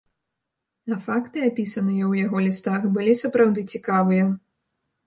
А факты, апісаныя ў яго лістах, былі сапраўды цікавыя.